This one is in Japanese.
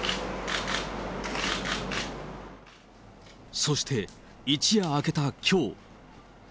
そして、一夜明けたきょう。